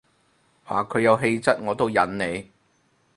話佢有氣質我都忍你